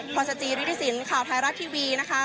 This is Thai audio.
พอยสจิริทธิศิลป์ข่าวไทยรัฐทีวีนะคะ